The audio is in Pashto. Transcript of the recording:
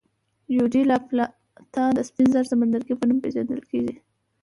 ریو ډي لا پلاتا د سپین زر سمندرګي په نوم پېژندل کېږي.